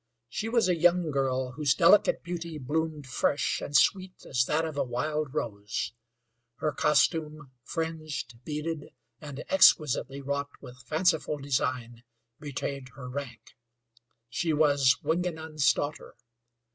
She was a young girl, whose delicate beauty bloomed fresh and sweet as that of a wild rose. Her costume, fringed, beaded, and exquisitely wrought with fanciful design, betrayed her rank, she was Wingenund's daughter.